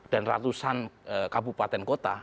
dan ratusan kabupaten kota